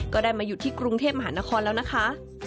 ก็ได้มาหยุดที่กรุงเทพมหานครแล้วนะคะ